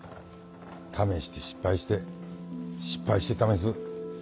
試して失敗して失敗して試す。